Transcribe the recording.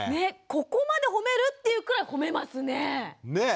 ここまでほめる？っていうくらいほめますね。ね！